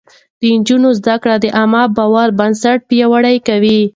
د نجونو زده کړه د عامه باور بنسټ پياوړی کوي.